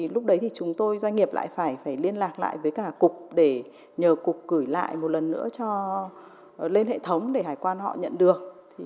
lúc đấy thì chúng tôi doanh nghiệp lại phải liên lạc lại với cả cục để nhờ cục gửi lại một lần nữa lên hệ thống để hải quan họ nhận được